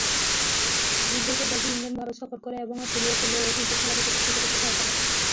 যুদ্ধের পর দলটি ইংল্যান্ড, ভারত সফর করে এবং অস্ট্রেলিয়ায় খেলে ও ক্রিকেট খেলাকে প্রতিষ্ঠিত করতে সহায়তা করে।